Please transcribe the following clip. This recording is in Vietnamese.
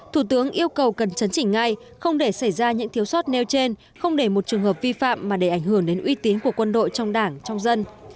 thủ tướng yêu cầu cần chấn chỉnh ngay không để xảy ra những thiếu sót nêu trên không để một trường hợp vi phạm mà để ảnh hưởng đến uy tín của quân đội trong đảng trong dân